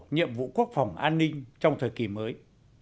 nhiệm vụ quốc phòng an ninh trong thời kỳ mới